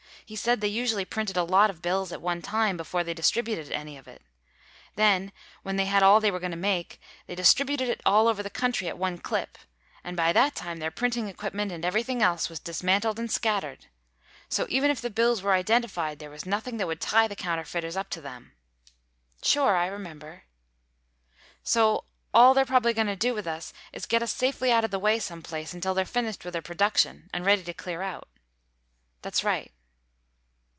He said they usually printed a lot of bills at one time, before they distributed any of it. Then, when they had all they were going to make, they distributed it all over the country at one clip—and by that time their printing equipment and everything else was dismantled and scattered. So even if the bills were identified, there was nothing that would tie the counterfeiters up to them." "Sure. I remember," Sandy said. "So all they're probably going to do with us is get us safely out of the way some place, until they're finished with their production and ready to clear out." "That's right."